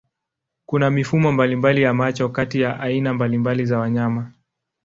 Kuna mifumo mbalimbali ya macho kati ya aina mbalimbali za wanyama.